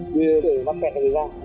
đưa nạn kẹt ra bên ngoài